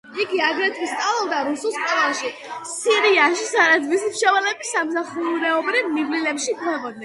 იგი, აგრეთვე, სწავლობდა რუსულ სკოლაში სირიაში, სადაც მისი მშობლები სამსახურეობრივ მივლინებაში იმყოფებოდნენ.